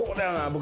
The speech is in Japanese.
僕。